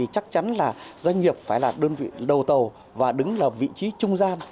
chắc chắn doanh nghiệp phải là đơn vị đầu tàu và đứng ở vị trí trung gian